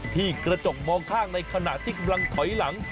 ที่กระจกมองข้างในขณะที่กำลังถอยหลัง